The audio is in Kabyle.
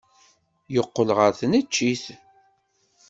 Yeqqel ɣer tneččit.